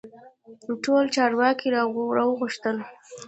ټول چارواکي را وغوښتل.